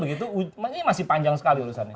ini masih panjang sekali urusannya